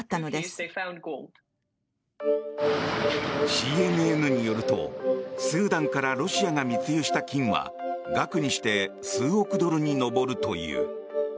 ＣＮＮによると、スーダンからロシアが密輸した金は額にして数億ドルに上るという。